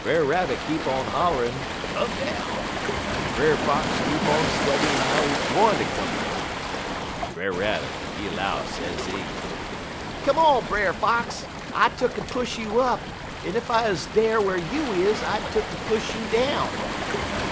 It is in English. "Brer Rabbit keep on hollerin', 'Come down!' en Brer Fox keep on studyin' how he gwine ter come down. Brer Rabbit, he 'low, sezee: "'Come on, Brer Fox! I tuck'n push you up, en ef I 'uz dar whar you is, I'd take'n push you down.'